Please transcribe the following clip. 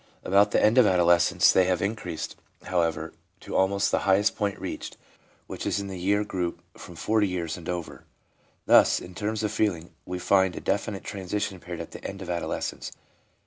About the end of adolescence they have increased, however, to almost the highest point reached, which is in the year group from 40 years and over. Thus, in terms of feeling, we find a definite transition period at the end of adolescence.